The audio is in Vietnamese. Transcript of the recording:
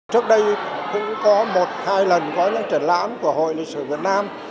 trước đây cũng có một hai lần có những triển lãm của hội lịch sử việt nam